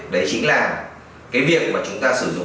đấy chính là cái việc mà chúng ta sử dụng